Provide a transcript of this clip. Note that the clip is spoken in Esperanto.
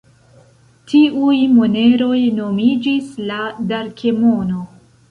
Tiuj moneroj nomiĝis la darkemono.